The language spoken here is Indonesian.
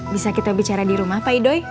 bisa kita bicara di rumah pak idoy